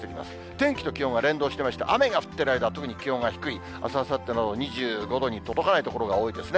天気と気温は連動していまして、雨が降っている間は特に気温が低い、あす、あさっては２５度に届かない所が多いですね。